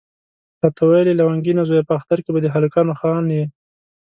راته ویل یې لونګینه زویه په اختر کې به د هلکانو خان یې.